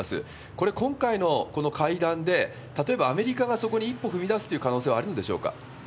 これ、今回のこの会談で、例えば、アメリカがそこに一歩踏み出すという可能性はあるんでしょうか？